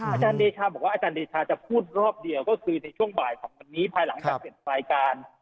อาจารย์เดชาบอกว่าอาจารย์เดชาจะพูดรอบเดียวก็คือในช่วงบ่ายของวันนี้ภายหลังจากเสร็จรายการ